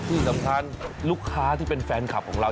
ที่สำคัญลูกค้าที่เป็นแฟนคลับของเรา